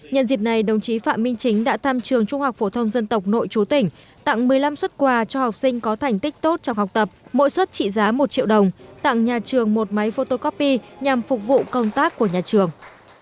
nhân dịp này đồng chí phạm minh chính đã thăm trường trung học phổ thông dân tộc nội chú tỉnh tặng một mươi năm xuất quà cho học sinh có thành tích tốt trong học tập mỗi suất trị giá một triệu đồng tặng nhà trường một máy photocopy nhằm phục vụ công tác của nhà trường